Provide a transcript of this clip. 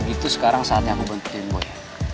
kalau gitu sekarang saatnya aku bantuin boy